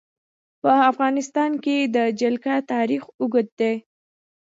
په افغانستان کې د جلګه تاریخ اوږد دی.